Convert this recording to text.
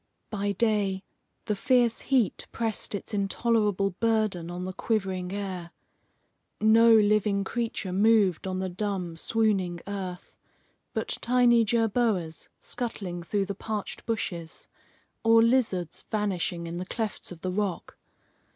By day, the fierce heat pressed its intolerable burden on the quivering air. No living creature moved on the dumb, swooning earth, but tiny jerboas scuttling through the parched bushes, or lizards vanishing in the clefts of the rock.